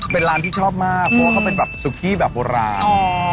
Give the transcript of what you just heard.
เป็นร้านที่ชอบมากเพราะเขาเป็นแบบซูกคี่แบบโหลด